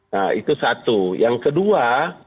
nah itu satu yang kedua